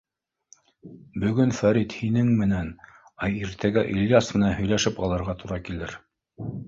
Бөгөн Фәрит һинең менән, ә иртәгә Ильяс менән һөйләшеп алырға тура килер.